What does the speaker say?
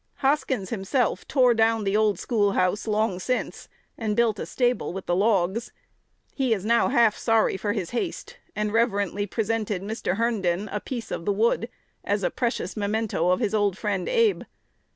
Hoskins himself tore down "the old schoolhouse" long since, and built a stable with the logs. He is now half sorry for his haste, and reverently presented Mr. Herndon a piece of the wood as a precious memento of his old friend Abe.